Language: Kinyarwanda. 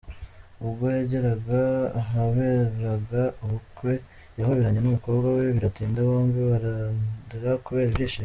Ubwo yageraga ahaberaga ubukwe, yahoberanye n’umukobwa we biratinda, bombi bararira kubera ibyishimo.